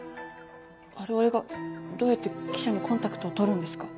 我々がどうやって記者にコンタクトを取るんですか？